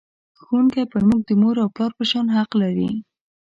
ښوونکی پر موږ د مور او پلار په شان حق لري.